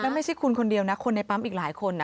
ไม่ใช่คุณคนเดียวนะคนในปั๊มอีกหลายคน